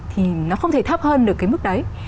thì nó không thể thấp hơn được cái mức đấy